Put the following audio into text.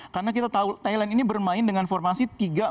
karena kita tahu thailand ini bermain dengan formasi tiga empat satu dua